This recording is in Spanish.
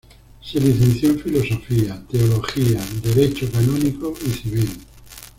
Se licenció en Filosofía, Teología, Derecho Canónico y Civil.